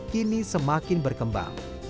kini semakin berkembang